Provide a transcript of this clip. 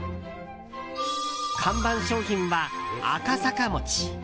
看板商品は赤坂もち。